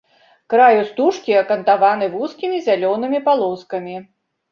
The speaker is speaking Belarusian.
Краю стужкі акантаваны вузкімі зялёнымі палоскамі.